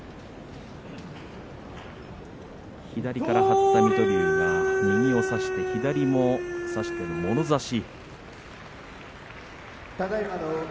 左から張った水戸龍が右を差して左も差してもろ差し。